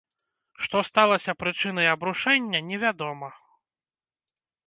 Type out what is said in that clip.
Што сталася прычынай абрушэння, невядома.